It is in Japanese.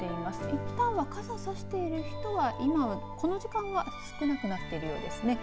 いったんは傘差している人は今この時間は少なくなっているようですね。